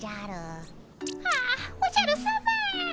あっおじゃるさま。